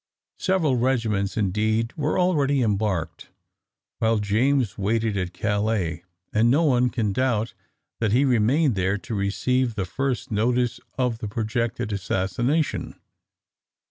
Several regiments indeed were already embarked while James waited at Calais, and no one can doubt that he remained there to receive the first notice of the projected assassination.